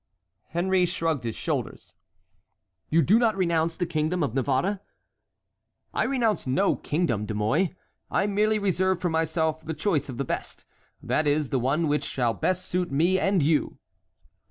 Henry shrugged his shoulders. "You do not renounce the kingdom of Navarre?" "I renounce no kingdom, De Mouy, I merely reserve for myself the choice of the best; that is, the one which shall best suit me and you."